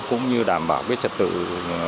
cũng như đảm bảo cái trật tự